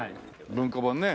文庫本ね